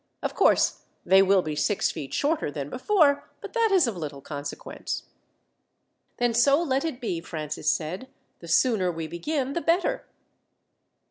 Of course they will be six feet shorter than before, but that is of little consequence." "Then so let it be," Francis said, "the sooner we begin the better."